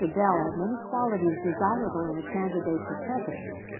Bell had many qualities desirable in a candidate for President.